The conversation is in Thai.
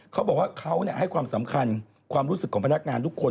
เขาบอกว่าเขาให้ความสำคัญความรู้สึกของพนักงานทุกคน